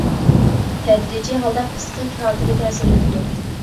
تەدرىجىي ھالدا، پىسخىك ھالىتىگە تەسىر يېتىدۇ.